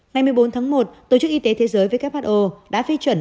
ngày một mươi bốn tháng một tổ chức y tế thế giới who đã phê chuẩn